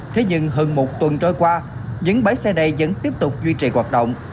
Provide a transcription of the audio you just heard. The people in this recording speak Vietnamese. thế nhưng hơn một tuần trôi qua những bãi xe này vẫn tiếp tục duy trì hoạt động